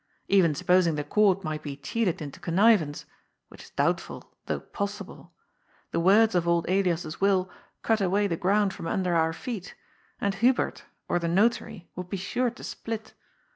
Even supposing the Court might be cheated into connivance — which is doubtful though possible — the words of old Elias's will cut away the ground from under our feet, and Hubert, or the Notary, would be sure to split.